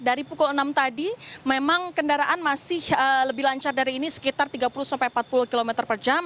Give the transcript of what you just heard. dari pukul enam tadi memang kendaraan masih lebih lancar dari ini sekitar tiga puluh sampai empat puluh km per jam